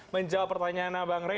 menjawab pertanyaan abang rai